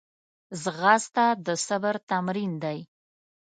ځغاسته د صبر تمرین دی